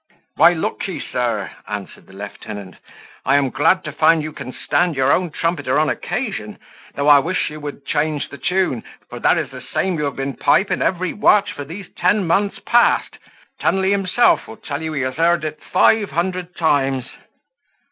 "Why, look ye, sir," answered the lieutenant, "I am glad to find you can stand your own trumpeter on occasion; though I wish you would change the tune, for that is the same you have been piping every watch for these ten months past. Tunley himself will tell you he has heard it five hundred times."